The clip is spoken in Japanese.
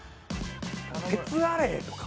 鉄アレイか。